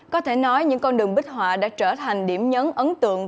có thể nói những con đường bích họa đã trở thành điểm nhấn ấn tượng